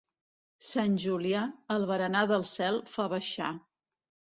Sant Julià, el berenar del cel fa baixar.